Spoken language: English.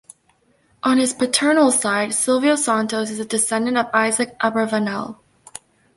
On his paternal side, Silvio Santos is a descendant of Isaac Abravanel.